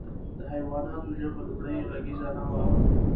د حیواناتو ژبه لومړۍ غږیزه نه وه.